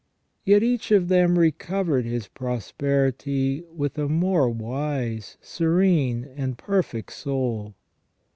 Yet each of them recovered his prosperity with a more wise, serene, and perfect soul.